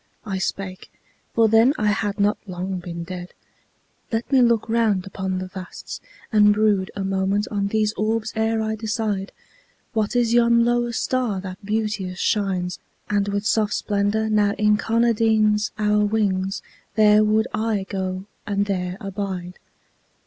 I spake for then I had not long been dead "Let me look round upon the vasts, and brood A moment on these orbs ere I decide ... What is yon lower star that beauteous shines And with soft splendor now incarnadines Our wings? There would I go and there abide."